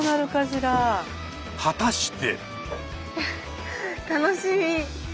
果たして。